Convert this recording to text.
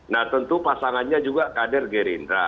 nah tentu pasangannya juga kader gerindra